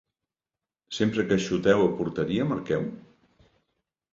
Sempre que xuteu a porteria marqueu?